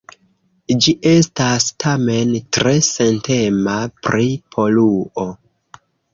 Ĝi estas, tamen, tre sentema pri poluo.